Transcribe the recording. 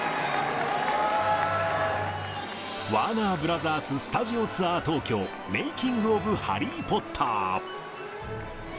ワーナーブラザース、スタジオツアー東京メイキング・オブ・ハリー・ポッター。